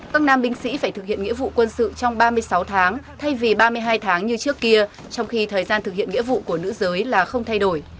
các nam binh sĩ phải thực hiện nghĩa vụ quân sự trong ba mươi sáu tháng thay vì ba mươi hai tháng như trước kia trong khi thời gian thực hiện nghĩa vụ của nữ giới là không thay đổi